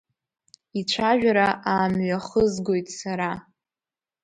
Ицәажәара аамҩахызгоит сара.